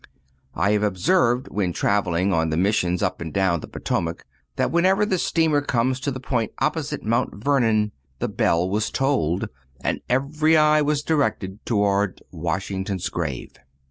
I have always observed when traveling on the missions up and down the Potomac, that whenever the steamer came to the point opposite Mount Vernon the bell was tolled, and every eye was directed toward Washington's grave.